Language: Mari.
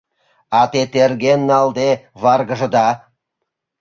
— А те терген налде варгыжыда.